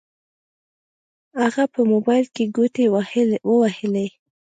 هغه په موبايل کې ګوتې ووهلې.